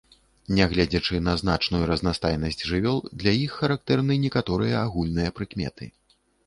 Нягледзячы на значную разнастайнасць жывёл, для іх характэрны некаторыя агульныя прыкметы.